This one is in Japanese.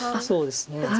そうですね。